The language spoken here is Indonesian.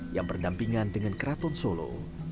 yang berdampingan dengan keraton solo